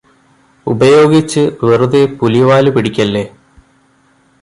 ഉപയോഗിച്ച് വെറുതെ പുലിവാല് പിടിക്കല്ലേ